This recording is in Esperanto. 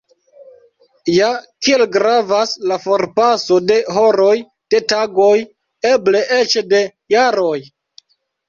Ja, kiel gravas la forpaso de horoj, de tagoj, eble eĉ de jaroj?